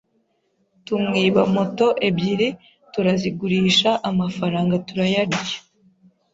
tumwiba moto ebyiri turazigurisha amafaranga turayarya